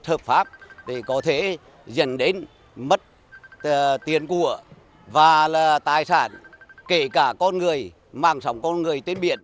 hợp pháp để có thể dẫn đến mất tiền của và là tài sản kể cả con người mạng sống con người trên biển